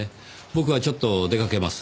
僕はちょっと出かけます。